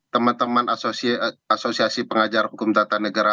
teman teman asosiasi pengajar hukum tata negara